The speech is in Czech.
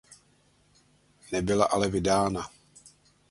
Nebyla ale vydána.